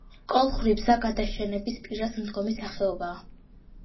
კოლხური ბზა გადაშენების პირას მდგომი სახეობაა.